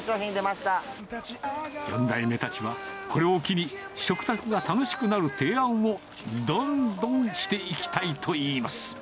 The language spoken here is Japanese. ４代目たちはこれを機に、食卓が楽しくなる提案を、どんどんしていきたいといいます。